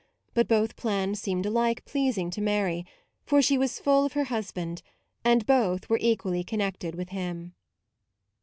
But both plans seemed alike pleasing to Mary, for she was full of her husband, and both were equally connected with him.